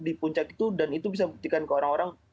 di puncak itu dan itu bisa membuktikan ke orang orang